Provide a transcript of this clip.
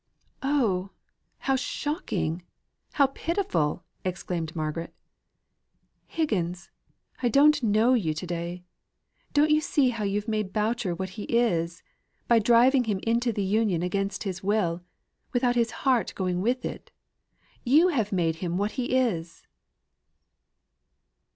"Oh! how shocking! how pitiful!" exclaimed Margaret. "Higgins, I don't know you to day. Don't you see how you've made Boucher what he is, by driving him into the Union against his will without his heart going with it. You have made him what he is!"